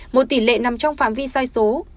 một tỷ lệ nằm trong phạm vi sai số